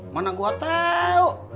mana gua tau